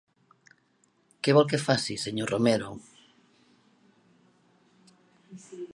Què vol que faci, senyor Romero?